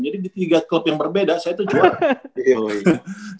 jadi di tiga klub yang berbeda saya itu juara